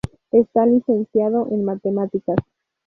Está licenciado en Matemáticas.